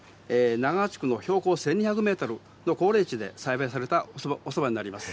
標高１２００メートルの高冷地で栽培されたおそばになります。